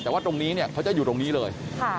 แต่ว่าตรงนี้เนี่ยเขาจะอยู่ตรงนี้เลย